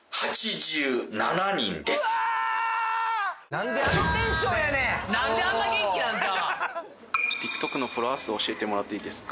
じゃあＴｉｋＴｏｋのフォロワー数教えてもらっていいですか？